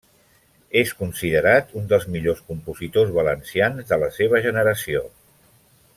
És considerat un dels millors compositors valencians de la seva generació.